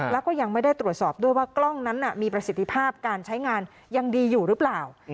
แล้วก็ยังไม่ได้ตรวจสอบด้วยว่ากล้องนั้นมีประสิทธิภาพการใช้งานยังดีอยู่หรือเปล่า